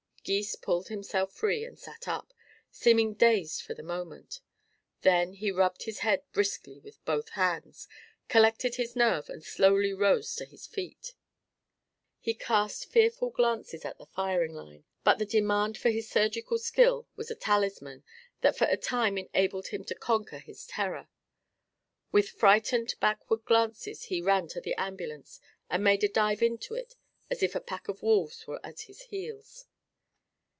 Gys pulled himself free and sat up, seeming dazed for the moment. Then he rubbed his head briskly with both hands, collected his nerve and slowly rose to his feet. He cast fearful glances at the firing line, but the demand for his surgical skill was a talisman that for a time enabled him to conquer his terror. With frightened backward glances he ran to the ambulance and made a dive into it as if a pack of wolves was at his heels.